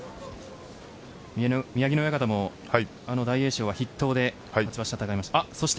宮城野親方も大栄翔は筆頭で戦いました。